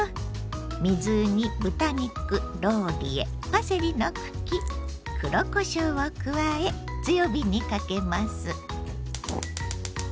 水に豚肉ローリエパセリの茎黒こしょうを加え強火にかけます。